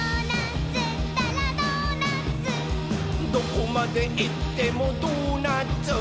「どこまでいってもドーナツ！」